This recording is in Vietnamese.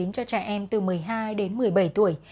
cho trẻ em từ một mươi hai đến một mươi bảy tuổi